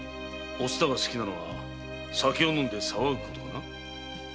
お蔦が好きなのは酒を飲んで騒ぐことかな？